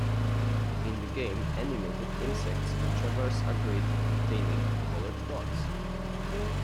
In the game animated insects traverse a grid containing colored dots.